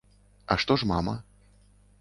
А што ж мама?